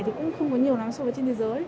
thì cũng không có nhiều lắm so với trên thế giới